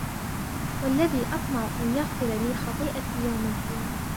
وَالَّذِي أَطْمَعُ أَنْ يَغْفِرَ لِي خَطِيئَتِي يَوْمَ الدِّينِ